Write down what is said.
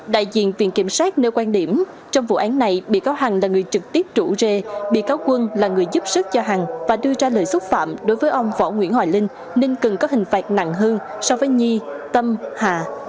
đại diện viện kiểm sát nêu quan điểm trong vụ án này bị cáo hằng là người trực tiếp trụ rê bị cáo quân là người giúp sức cho hằng và đưa ra lời xúc phạm đối với ông võ nguyễn hoài linh nên cần có hình phạt nặng hơn so với nhi tâm hà